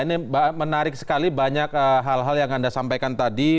ini menarik sekali banyak hal hal yang anda sampaikan tadi